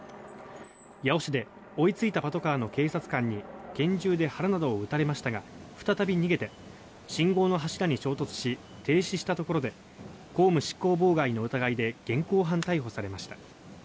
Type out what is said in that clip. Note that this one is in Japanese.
八尾市で追いついたパトカーの警察官に拳銃で腹などを撃たれましたが再び逃げて信号の柱に衝突し停車したところで公務執行妨害の疑いで現行犯逮捕されました。